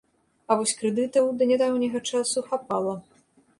А вось крэдытаў да нядаўняга часу хапала.